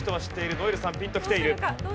如恵留さんピンときている。